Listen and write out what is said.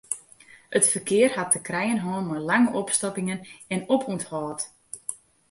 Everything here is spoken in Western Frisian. It ferkear hat te krijen hân mei lange opstoppingen en opûnthâld.